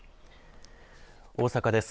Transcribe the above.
大阪です。